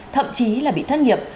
thậm chí là bị thất nghiệp